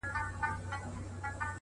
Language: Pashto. د گريوان ډورۍ ته دادی ځان ورسپاري،